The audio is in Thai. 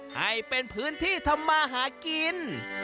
ให้เป็นพื้นที่ทำมาหากิน